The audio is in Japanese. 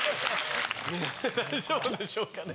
大丈夫でしょうかね？